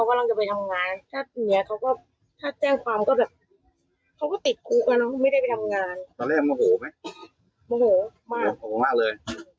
เพราะว่านางพรุ่งเรียนจบอายุ๒๓ปี